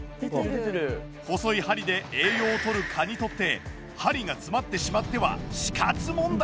細い針で栄養をとる蚊にとって針が詰まってしまっては死活問題。